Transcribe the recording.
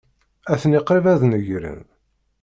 Atni qrib ad negren.